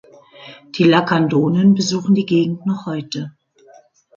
Die Lacandonen besuchen die Gegend noch heute.